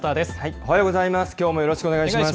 おはようございます。